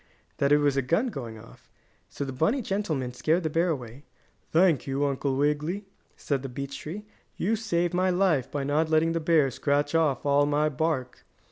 that it was a gun going off. So the bunny gentleman scared the bear away. "Thank you, Uncle Wiggily," said the beech tree. "You saved my life by not letting the bear scratch off all my bark."